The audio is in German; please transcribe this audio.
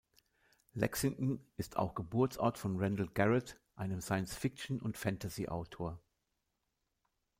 Lexington ist auch Geburtsort von Randall Garrett, einem Science-Fiction- und Fantasy-Autor.